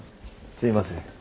すいません。